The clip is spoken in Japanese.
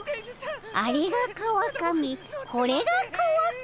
あれが川上これが川上」。